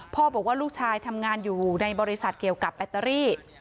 บอกว่าลูกชายทำงานอยู่ในบริษัทเกี่ยวกับแบตเตอรี่